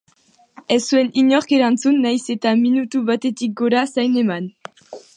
Ez zuen inork erantzun, nahiz eta minutu batetik gora zain eman.